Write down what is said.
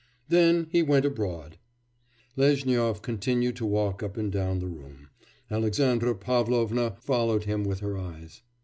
Then he went abroad....' Lezhnyov continued to walk up and down the room; Alexandra Pavlovna followed him with her eyes.